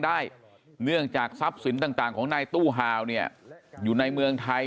ได้เนื่องจากทรัพย์สินต่างของนายตู้ฮาวเนี่ยอยู่ในเมืองไทย